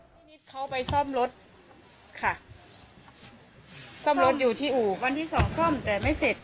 นิดเขาไปซ่อมรถค่ะซ่อมรถอยู่ที่อู่วันที่สองซ่อมแต่ไม่เสร็จ